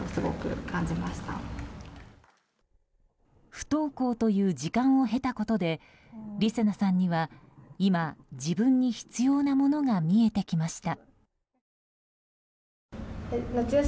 不登校という時間を経たことでりせなさんには今、自分に必要なものが見えてきました。